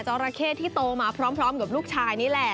ราเข้ที่โตมาพร้อมกับลูกชายนี่แหละ